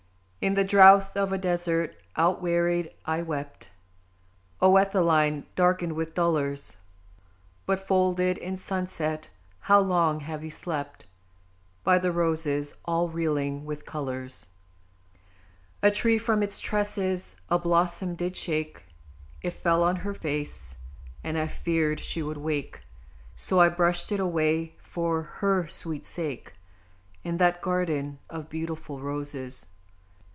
In the drouth of a Desert, outwearied, I wept, O Etheline, darkened with dolours! But, folded in sunset, how long have you slept By the Roses all reeling with colours? A tree from its tresses a blossom did shake, It fell on her face, and I feared she would wake, So I brushed it away for her sweet sake; In that garden of beautiful Roses!